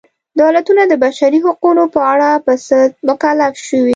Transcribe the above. دولتونه د بشري حقونو په اړه په څه مکلف شوي.